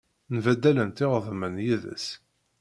Mbaddalent iɣeḍmen yid-s.